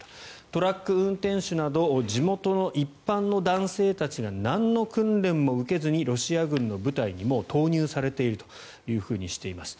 トラック運転手など地元の一般の男性たちがなんの訓練も受けずにロシア軍の部隊にもう投入されているとしています。